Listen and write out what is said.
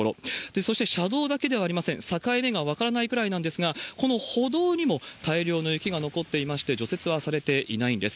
そして、車道だけではありません、境目が分からないぐらいなんですが、この歩道にも大量の雪が残っていまして、除雪はされていないんです。